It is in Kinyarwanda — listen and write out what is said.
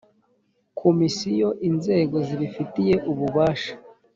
komisiyo inzego zibifitiye ububasha